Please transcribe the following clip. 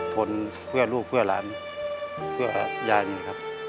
ทนเพื่อลูกเพื่อหลานเพื่อยายนี่ครับ